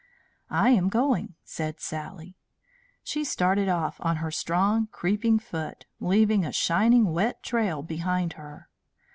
"I am going," said Sally. She started off on her strong, creeping foot, leaving a shining wet trail behind her.